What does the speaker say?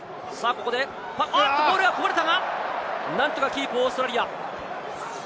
ここでおっとボールがこぼれたが、なんとかキープ、オーストラリア。